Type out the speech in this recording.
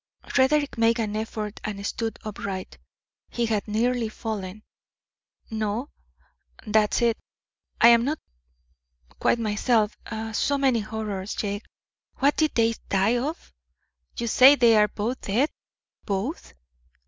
Frederick made an effort and stood upright. He had nearly fallen. "No; that is, I am not quite myself. So many horrors, Jake. What did they die of? You say they are both dead both?"